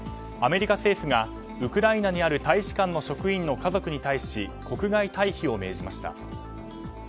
アメリカ政府がウクライナにある大使館の職員の家族に対し国外退避を命じました。